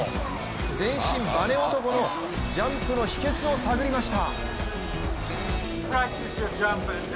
全身バネ男のジャンプの秘訣を探りました。